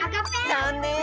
ざんねん！